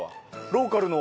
ローカルの。